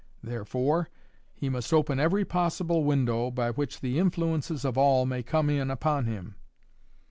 Therefore he must open every possible window by which the influences of the All may come in upon him.